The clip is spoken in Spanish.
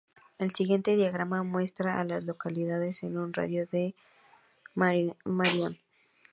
El siguiente diagrama muestra a las localidades en un radio de de Marion.